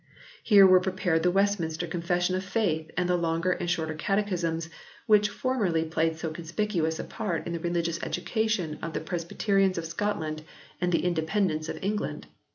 Here were prepared the Westminster Confession of Faith and the Longer and Shorter Catechisms which formerly played so conspicuous a part in the religious education of the Presbyterians of Scotland and the Independents of England.